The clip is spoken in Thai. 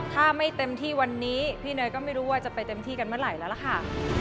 ถ้าไม่เต็มที่วันนี้พี่เนยก็ไม่รู้ว่าจะไปเต็มที่กันเมื่อไหร่แล้วล่ะค่ะ